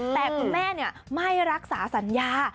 แต่คุณแม่ไม่รักษาสัญญา